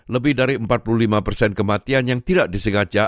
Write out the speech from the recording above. lebih dari empat puluh lima persen kematian yang tidak disengaja